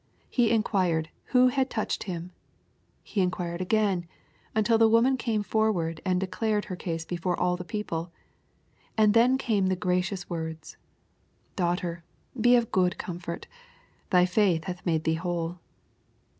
He enquired "who had touched Him." He enquired again, until the woman came forward and " declared'' her case before all the people. And then came the gracious words, Daughter, be of good comfort. Thy faith hath made thee whole."